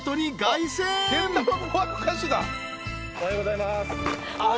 おはようございます。